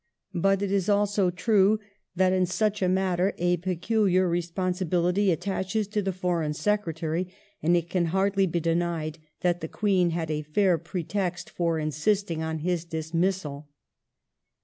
But it is also true that in such a matter a peculiar respon sibility attaches to the Foreign Secretary, and it can hardly be denied that the Queen had a fair pretext for insisting on his dismissal.